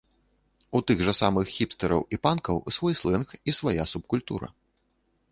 У тых жа самых хіпстэраў і панкаў свой слэнг і свая субкультура.